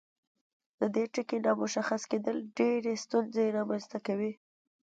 د دې ټکي نامشخص کیدل ډیرې ستونزې رامنځته کوي.